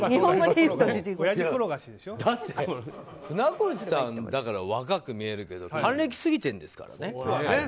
船越さんだから若く見えるけど還暦過ぎてるんですからね。